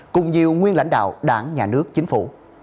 cùng nhiều nguyên lãnh đạo đảng nhà nước chính phủ